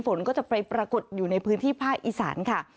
ฝนก็จะไปปรากฏอยู่ในพื้นที่ภาคอีสานค่ะ